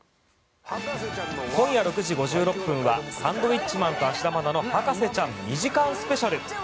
今夜６時５６分は「サンドウィッチマン＆芦田愛菜の博士ちゃん」２時間スペシャル！